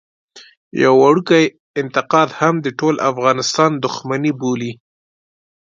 يو وړوکی انتقاد هم د ټول افغانستان دښمني بولي.